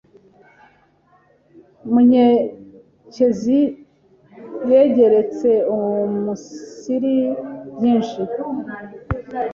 Munyekezi yegerutse umunsiri byinshi